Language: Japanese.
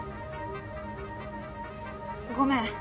ごめん！